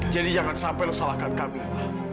jadi jangan sampai lo salahkan kamilah